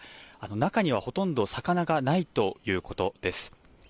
中にはほとんど魚がないということです。